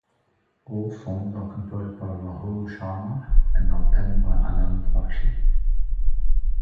All songs are composed by Rahul Sharma and are penned by Anand Bakshi.